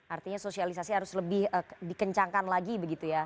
artinya sosialisasi harus lebih dikencangkan lagi begitu ya